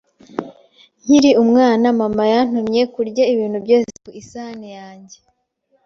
Nkiri umwana, mama yantumye kurya ibintu byose ku isahani yanjye.